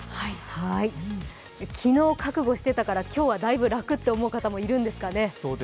昨日、覚悟してたから今日はだいぶ楽と思う方もいるんですかね。